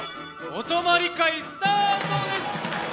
お泊まり会スタートです！